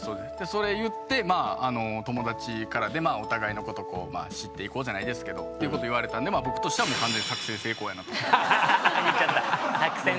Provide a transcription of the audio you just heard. それ言ってまあ友達からでお互いのことを知っていこうじゃないですけどっていうことを言われたんで僕としては完全作戦成功やなと。言っちゃった。